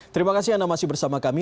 terima kasih anda masih bersama kami